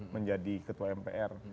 menjadi ketua mpr